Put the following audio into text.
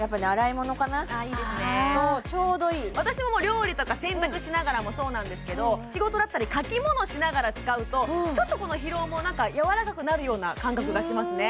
私ももう料理とか洗濯しながらもそうなんですけど仕事だったり書き物しながら使うとちょっとこの疲労もなんか柔らかくなるような感覚がしますね